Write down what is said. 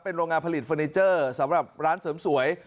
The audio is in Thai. โรงงานผลิตเฟอร์นิเจอร์สำหรับร้านเสริมสวย